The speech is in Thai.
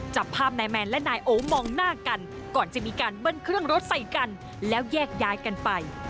จับภาพนายแมนและนายโอมองหน้ากันก่อนจะมีการเบิ้ลเครื่องรถใส่กันแล้วแยกย้ายกันไป